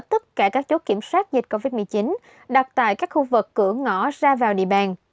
tất cả các chốt kiểm soát dịch covid một mươi chín đặt tại các khu vực cửa ngõ ra vào địa bàn